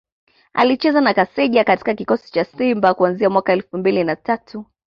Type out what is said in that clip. Alicheza na Kaseja katika kikosi cha Simba kuanzia mwaka elfu mbili na tatu